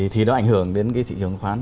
thì nó ảnh hưởng đến cái thị trường chứng khoán